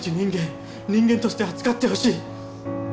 人間として扱ってほしい。